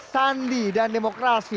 sandi dan demokrasi